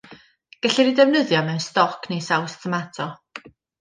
Gellir eu defnyddio mewn stoc neu saws tomato.